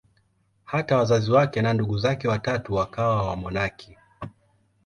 Hata wazazi wake na ndugu zake watatu wakawa wamonaki.